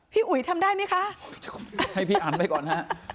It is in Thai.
อุ๋ยทำได้ไหมคะให้พี่อันไปก่อนฮะ